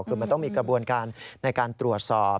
คือมันต้องมีกระบวนการในการตรวจสอบ